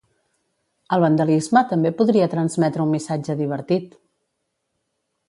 El vandalisme també podria transmetre un missatge divertit!